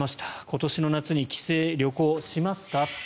今年の夏に帰省、旅行しますか？